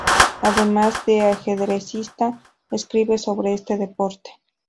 Además de ajedrecista, escribe sobre este deporte.